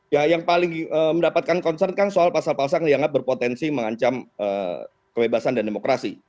ya yang paling mendapatkan concern kan soal pasal pasal yang dianggap berpotensi mengancam kebebasan dan demokrasi